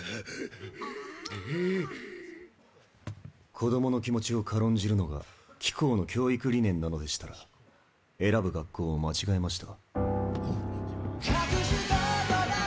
子供の気持ちを軽んじるのが貴校の教育理念なのでしたら選ぶ学校を間違えました。